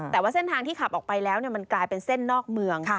แต่ว่าเส้นทางที่ขับออกไปแล้วมันกลายเป็นเส้นนอกเมือง